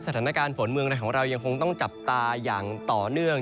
สถานการณ์ฝนเมืองในของเรายังคงต้องจับตาอย่างต่อเนื่อง